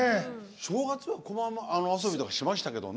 正月はこま遊びとかしましたけどね。